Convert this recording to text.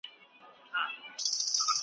دا پوسټ د ملګرو ترمنځ بحث پیدا کړ.